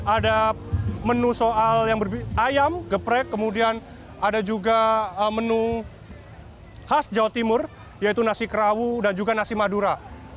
ada menu soal yang ayam geprek kemudian ada juga menu khas jawa timur yaitu nasi kerawu dan juga nasi madura